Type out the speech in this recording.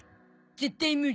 絶対無理。